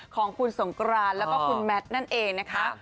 ของคุณสงกรานแล้วก็คุณแมทนั่นเองนะคะ